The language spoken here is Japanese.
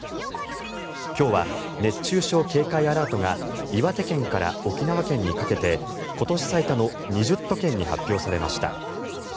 今日は熱中症警戒アラートが岩手県から沖縄県にかけて今年最多の２０都県に発表されました。